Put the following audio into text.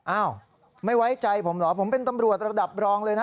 อ้าวไม่ไว้ใจผมเหรอผมเป็นตำรวจระดับรองเลยนะ